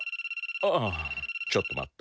ああちょっと待っと。